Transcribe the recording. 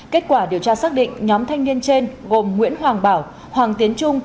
kết quả điều tra xác định nhóm thanh niên trên gồm nguyễn hoàng bảo hoàng tiến trung